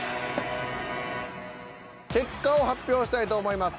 結果を発表したいと思います。